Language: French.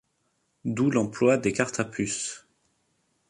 D'où l'emploi des cartes à puce.